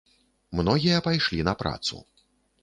Многія пайшлі на працу.